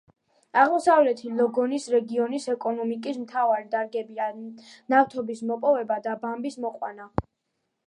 აღმოსავლეთი ლოგონის რეგიონის ეკონომიკის მთავარი დარგებია ნავთობის მოპოვება და ბამბის მოყვანა.